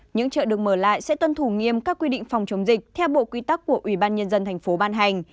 những chợ được mở lại sẽ tuân thủ nghiêm các quy định phòng chống dịch theo bộ quy tắc của ủy ban nhân dân thành phố ban hành